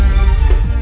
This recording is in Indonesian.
dia nangis ke sini